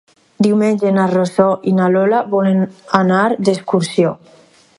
Diumenge na Rosó i na Lola volen anar d'excursió.